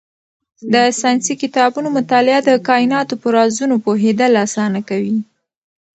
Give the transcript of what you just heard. د ساینسي کتابونو مطالعه د کایناتو په رازونو پوهېدل اسانه کوي.